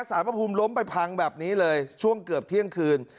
พระภูมิล้มไปพังแบบนี้เลยช่วงเกือบเที่ยงคืน